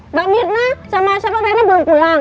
mbak mirna sama isyarat lainnya belum pulang